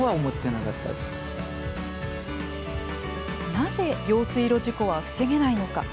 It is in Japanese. なぜ、用水路事故は防げないのか。